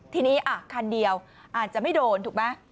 ทีนี้คันเดียวอาจจะไม่โดนถูกไหม